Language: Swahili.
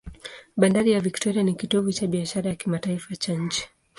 Bandari ya Victoria ni kitovu cha biashara ya kimataifa cha nchi.